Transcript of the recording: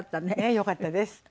ねえよかったです。